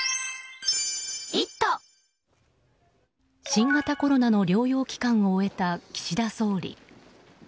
新型コロナの療養期間を終えた岸田総理。